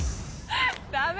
ダメ？